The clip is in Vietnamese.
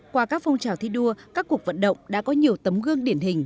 qua các phong trào thi đua các cuộc vận động đã có nhiều tấm gương điển hình